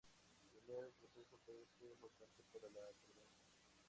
Primero, el proceso puede ser importante para la prudencia.